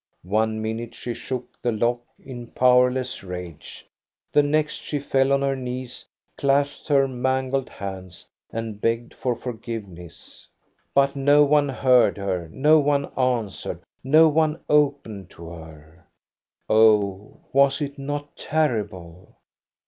One minute she shook the lock in powerless rage, the next she fell on her knees, clasped her mangled hands, and begged for forgiveness. But no one heard her, no one answered, no one opened to her. Oh ! was it not terrible